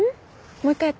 もう一回やって。